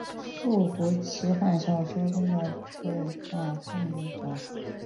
树胡奇幻小说中土大陆的一个虚构角色。